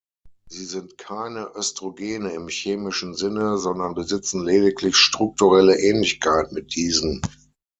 Sie sind keine Östrogene im chemischen Sinne, sondern besitzen lediglich strukturelle Ähnlichkeit mit diesen.